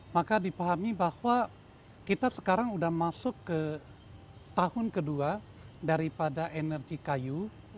maka dipahami bahwa kita sekarang sudah masuk ke tahun kedua daripada energi kayu